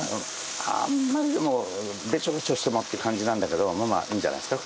あんまりでもベチョベチョしてもって感じなんだけどまあまあいいんじゃないですか？